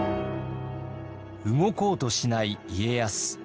動こうとしない家康。